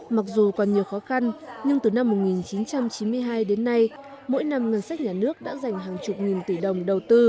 mặc dù còn nhiều khó khăn nhưng từ năm một nghìn chín trăm chín mươi hai đến nay mỗi năm ngân sách nhà nước đã dành hàng chục nghìn tỷ đồng đầu tư